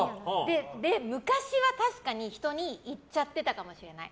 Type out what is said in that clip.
昔は、確かに人に言っちゃってたかもしれない。